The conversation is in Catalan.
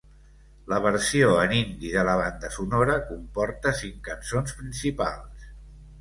La versió en hindi de la banda sonora comporta cinc cançons principals.